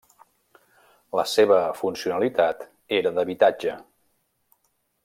La seva funcionalitat era d'habitatge.